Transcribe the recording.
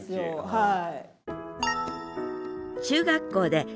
はい。